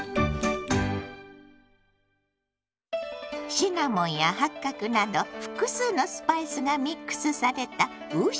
シナモンや八角など複数のスパイスがミックスされた五香粉。